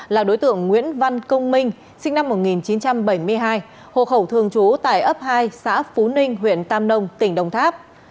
là đối tượng nguyễn văn công minh sinh năm một nghìn chín trăm bảy mươi hai hộ khẩu thường trú tại ấp hai xã phú ninh huyện tam nông tỉnh đồng tháp